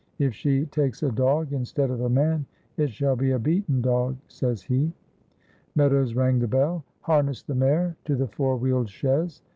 If she takes a dog instead of a man, it shall be a beaten dog,' says he." Meadows rang the bell. "Harness the mare to the four wheeled chaise.